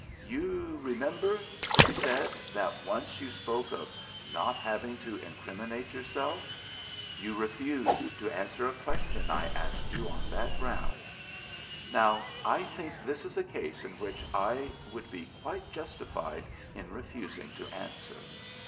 "You remember," she said, "that once you spoke of not having to incriminate yourself. You refused to answer a question I asked you on that ground. Now, I think this is a case in which I would be quite justified in refusing to answer.